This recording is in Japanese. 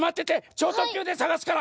ちょうとっきゅうでさがすから！